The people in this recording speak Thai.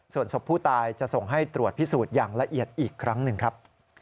ส่วนศพผู้ตายจะส่งให้ตรวจพิสูจน์อย่างละเอียดอีกครั้งหนึ่งครับ